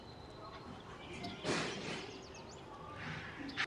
Taktéž zpřísňuje sledování finanční spolehlivosti leteckých dopravních společností.